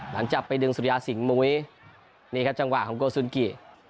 หลังจากไปดึงสุริยาสิงหมุ้ยนี่ครับจังหวะของโกสุนกิ